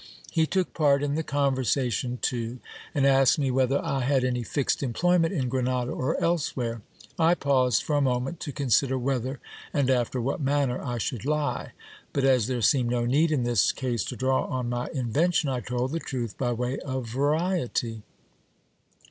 He took part in the conversation too, and asked me whether I had any fixed employment in Grenada or elsewhere. I paused 240 GIL BLAS. for a moment to consider whether and after what manner I should lie ; but as there seemed no need in this case to draw on my invention, I told the truth by way of variety.